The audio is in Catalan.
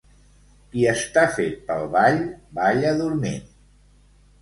Qui està fet pel ball, balla dormint.